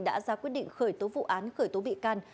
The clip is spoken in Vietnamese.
đã ra quyết định khởi tố vụ án khởi tố bị can